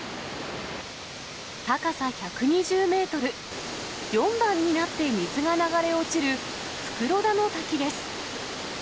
高さ１２０メートル、４段になって水が流れ落ちる袋田の滝です。